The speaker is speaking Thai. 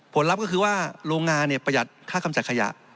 ลับก็คือว่าโรงงานประหยัดค่ากำจัดขยะ